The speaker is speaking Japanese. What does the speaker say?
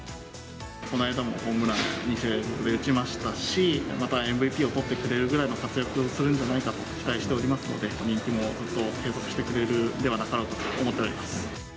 この間もホームラン、２試合連続で打ちましたし、またＭＶＰをとってくれるぐらいの活躍をするんじゃないかと期待しておりますので、人気も継続してくれるんではなかろうかと思っております。